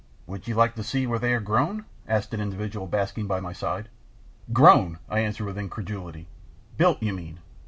"Would you like to see where they are grown?" asked an individual basking by my side. "Grown!" I answered with incredulity. "Built, you mean.